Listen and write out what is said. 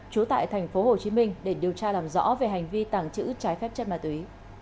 trú tại tp hcm để điều tra làm rõ về hành vi tàng trữ trái phép chất ma túy